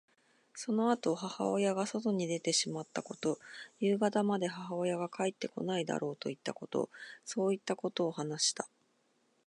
そのあと母親が外に出てしまったこと、夕方まで母親が帰ってこないだろうといったこと、そういったことを話した。